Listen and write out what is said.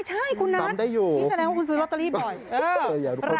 ใช่คุณนัทนี่แสดงว่าคุณซื้อลอตเตอรี่บ่อย